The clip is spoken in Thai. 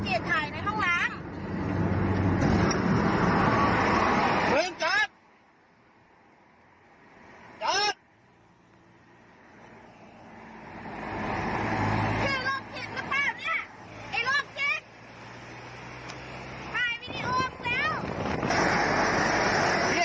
จ๊ิมเนตข้างหลังมันได้รอบจิต